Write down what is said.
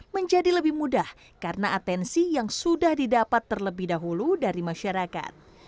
menjadi lebih mudah karena atensi yang sudah didapat terlebih dahulu dari masyarakat